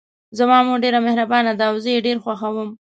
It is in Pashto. زما مور ډیره مهربانه ده او زه یې ډېر خوښوم